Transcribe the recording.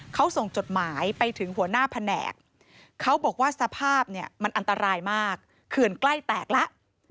เขาส่งจดหมายไปถึงหัวหน้าแผนกเขาบอกว่าสภาพเนี่ยมันอันตรายมากเขื่อนใกล้แตกแล้ว